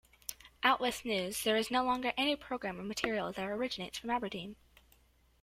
Outwith news, there is no longer any programming material that originates from Aberdeen.